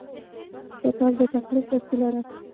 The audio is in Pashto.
کتاب د تخلیق وسیله ده.